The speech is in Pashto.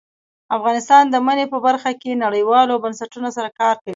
افغانستان د منی په برخه کې نړیوالو بنسټونو سره کار کوي.